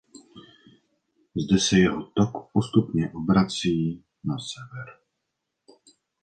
Zde se jeho tok postupně obrací na sever.